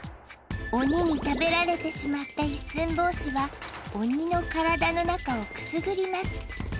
鬼に食べられてしまった一寸法師は鬼の体の中をくすぐります。